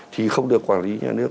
thì không được quản lý nhà nước